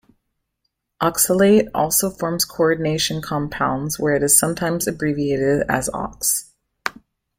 Oxalate also forms coordination compounds where it is sometimes abbreviated as ox.